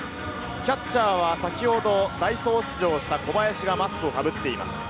キャッチャーは先ほど代走出場した小林がマスクをかぶっています。